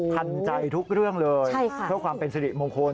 ทันใจทุกเรื่องเลยเพื่อความเป็นสิริมงคล